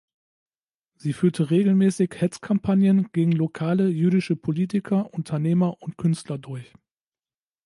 Sie führte regelmäßig Hetzkampagnen gegen lokale jüdische Politiker, Unternehmer und Künstler durch.